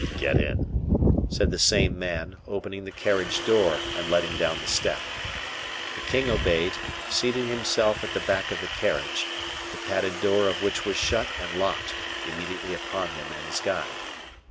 "Get in," said the same man, opening the carriage door and letting down the step. The king obeyed, seated himself at the back of the carriage, the padded door of which was shut and locked immediately upon him and his guide.